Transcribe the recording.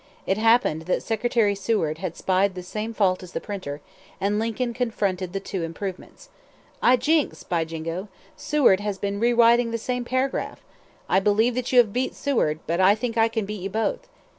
It happened that Secretary Seward had spied the same fault as the printer, and Lincoln confronted the two improvements. "'I jinks! (by Jingo!) Seward has been rewriting the same paragraph. I believe you have beat Seward, but I think I can beat you both!"